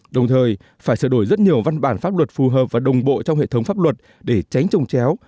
đồng thời phải sửa đổi rất nhiều văn bản pháp luật phù hợp và đồng bộ trong hệ thống pháp luật để tránh trồng chéo